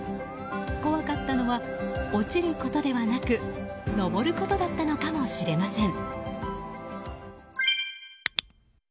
怖かったのは落ちることではなく登ることだったのかもしれません。